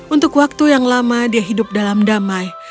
untuk waktu yang lama dia hidup dalam damai dan tumbuh semakin baik